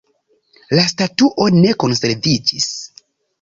La statuo ne konserviĝis.